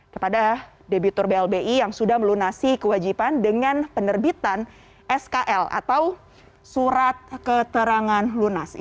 kepada debitur blbi yang sudah melunasi kewajiban dengan penerbitan skl atau surat keterangan lunas